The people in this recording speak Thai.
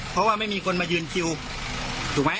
เพราะว่าไม่มีคนมายืนคิวถูกไหม